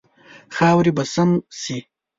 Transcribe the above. خاورې به سم شي.